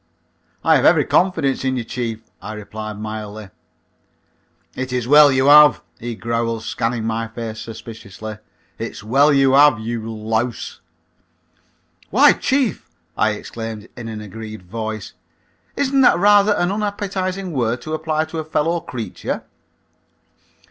"I have every confidence in you, chief," I replied mildly. "It is well you have," he growled, scanning my face suspiciously. "It's well you have, you louse." "Why, chief," I exclaimed in an aggrieved voice, "isn't that rather an unappetizing word to apply to a fellow creature?"